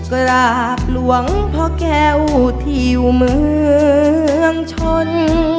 กราบหลวงพ่อแก้วที่อยู่เมืองชน